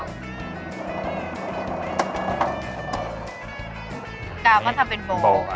พี่ก้าวมาทำเป็นโบ